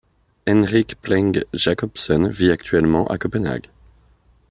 Henrik Plenge Jakobsen vit actuellement à Copenhague.